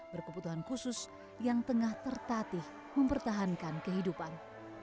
berkebutuhan khusus yang tengah tertatih mempertahankan kehidupan